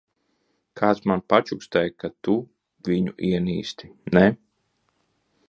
Kāds man pačukstēja ka tu viņu ienīsti ne?